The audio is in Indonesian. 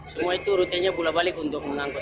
semua itu rutinnya pulak balik untuk mengangkut